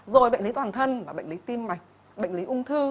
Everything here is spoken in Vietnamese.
rồi bệnh lý toàn thân và bệnh lý tim mạch bệnh lý ung thư